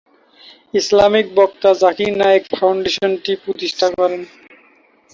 Islamic বক্তা জাকির নায়েক ফাউন্ডেশনটি প্রতিষ্ঠা করেন।